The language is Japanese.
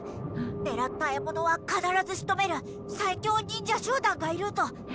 狙った獲物は必ず仕留める最強忍者集団がいると。